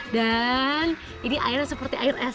dan ini airnya seperti air es